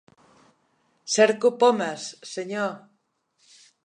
Cerco pomes, senyor!